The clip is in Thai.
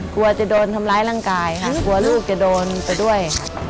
กลัวจะโดนทำร้ายร่างกายค่ะกลัวลูกจะโดนไปด้วยค่ะ